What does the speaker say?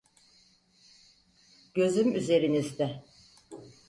Gözüm üzerinizde.